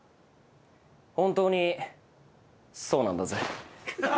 本当にそうなんだぜ。